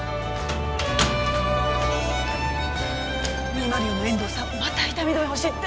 ２０４の遠藤さんまた痛み止め欲しいって。